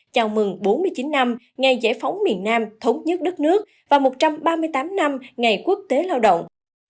chào mừng bốn mươi chín năm ngày giải phóng miền nam thống nhất đất nước và một trăm ba mươi tám năm ngày quốc tế lao động